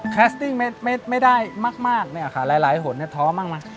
แคสติ้งไม่ได้ไม่ได้มากมากเนี่ยค่ะหลายหลายห่วงเนี่ยท้อมากมาย